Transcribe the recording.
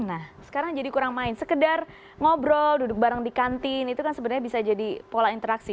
nah sekarang jadi kurang main sekedar ngobrol duduk bareng di kantin itu kan sebenarnya bisa jadi pola interaksi